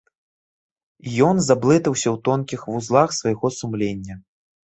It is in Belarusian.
Ён заблытаўся ў тонкіх вузлах свайго сумлення.